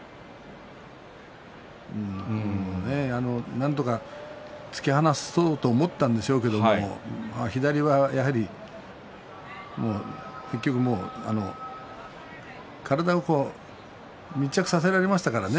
なんとか突き放そうと思ったんでしょうけど左はやはり、もう体を密着させられましたね